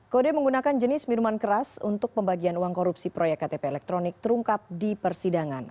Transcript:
kode menggunakan jenis minuman keras untuk pembagian uang korupsi proyek ktp elektronik terungkap di persidangan